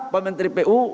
pak menteri pu